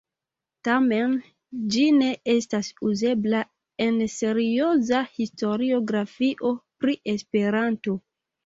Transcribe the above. Tamen, ĝi ne estas uzebla en serioza historiografio pri Esperanto.